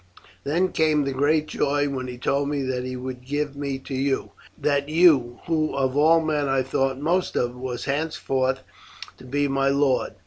Then came the great joy when he told me that he would give me to you that you, who of all men I thought most of, was henceforth to be my lord.